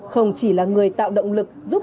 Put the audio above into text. không chỉ là người tạo động lực giúp